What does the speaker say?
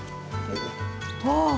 ああ！